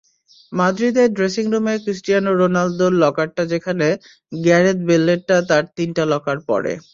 মাদ্রিদের ড্রেসিংরুমে ক্রিস্টিয়ানো রোনালদোর লকারটা যেখানে, গ্যারেথ বেলেরটা তার তিনটি লকার পরে।